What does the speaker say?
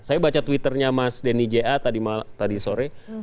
saya baca twitternya mas denny ja tadi sore